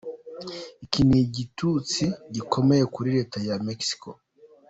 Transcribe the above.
Iki ni igitutsi gikomeye kuri leta ya Mexique.